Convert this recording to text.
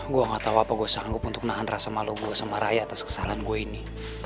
gue gak tau apa gue sanggup untuk nahan rasa malu gue sama raya atas kesalahan gue ini